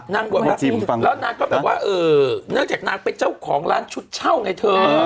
แล้วนางก็แบบว่าเนื่องจากนางเป็นเจ้าของร้านชุดเช่าไงเธอ